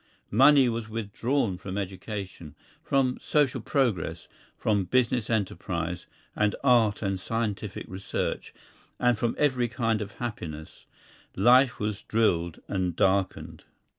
Money was withdrawn from education, from social progress, from business enterprise, and art and scientific research, and from every kind of happiness; life was drilled and darkened.